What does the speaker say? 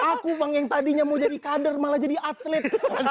aku bang yang tadinya mau jadi kader malah jadi atlet